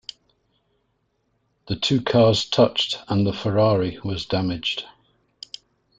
The two cars touched and the Ferrari was damaged.